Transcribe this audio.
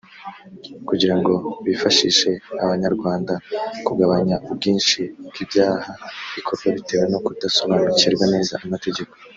kugira ngo bifashe Abanyarwanda kugabanya ubwinshi bw’ibyaha bikorwa bitewe no kudasobanukirwa neza amategeko